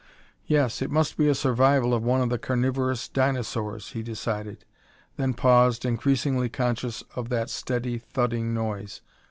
"Yes, it must be a survival of one of the carnivorous dinosaurs," he decided, then paused, increasingly conscious of that steady thudding noise.